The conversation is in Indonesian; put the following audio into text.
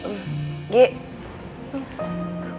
gak ada bapak nggak ngantuk